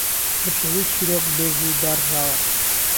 بە شێوەی چیرۆکبێژی داڕژاوە